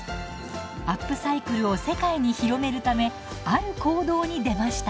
アップサイクルを世界に広めるためある行動に出ました。